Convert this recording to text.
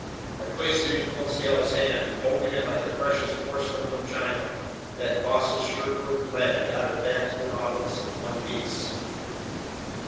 I placed it in Conseil's hands, and holding it like precious porcelain from China, that cautious, sure footed lad got it back to the Nautilus in one piece.